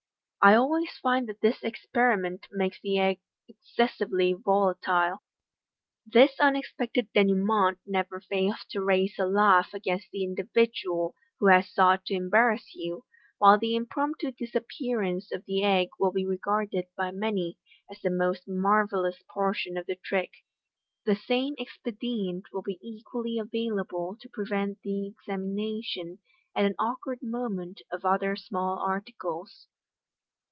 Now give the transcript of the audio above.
I always find that this experiment makes the egg excessively volatile." This unexpected denouement never fails to raise a laugh against the individual who has sought to embarrass you, while the impromptu disappearance of the egg will be regarded by many as the most marvellous portion of the trick. The same expedient will be equally available to prevent the examination, at an awkward moment, of other small articles.